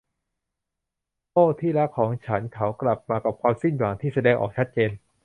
โอ้ ที่รักของฉัน เขากลับมากับความสิ้นหวังที่แสดงออกชัดเจน